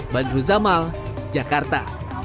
bandru zamal jakarta